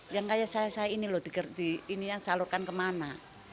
yang kayak saya saya ini loh ini yang salurkan kemana